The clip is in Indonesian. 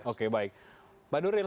oke baik mbak nuril